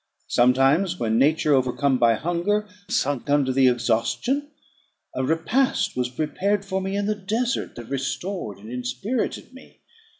Sometimes, when nature, overcome by hunger, sunk under the exhaustion, a repast was prepared for me in the desert, that restored and inspirited me.